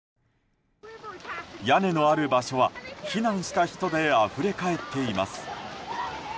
屋根のある場所は避難した人であふれ返っています。